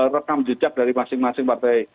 rekam jejak dari masing masing partai